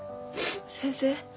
先生。